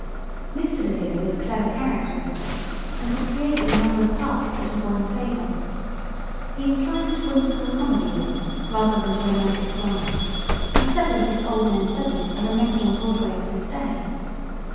Mr. DeVere was a clever character actor, and had created a number of parts that had won favor. He inclined to whimsical comedy rôles, rather than to romantic drama, and several of his old men studies are remembered on Broadway to this day.